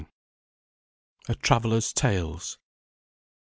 A TRAVELLER'S TALES.